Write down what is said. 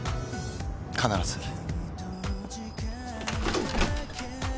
必ず。